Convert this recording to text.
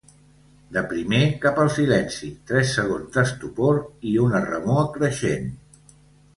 De primer cap al silenci, tres segons d'estupor i una remor creixent.